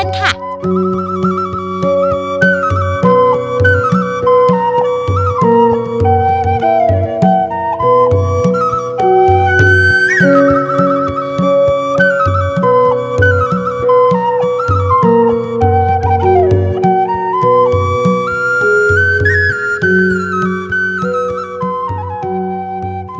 มังเงยราวแฟนเล่าเส้นเป็นเรื่อง